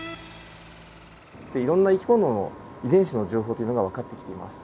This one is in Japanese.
いろんな生き物の遺伝子の情報がわかってきています。